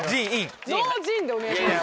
ノー陣でお願いします。